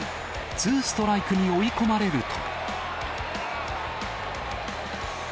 ツーストライクに追い込まれると。